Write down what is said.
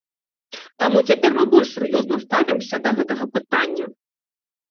Таму цяпер мы больш сур'ёзна ставімся да гэтага пытання.